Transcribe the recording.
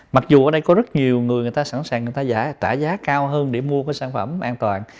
mặc dù ở đây có rất nhiều người người ta sẵn sàng người ta giả trả giá cao hơn để mua cái sản phẩm an toàn